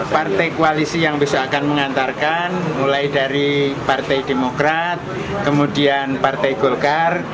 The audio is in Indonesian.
partai koalisi yang besok akan mengantarkan mulai dari partai demokrat kemudian partai golkar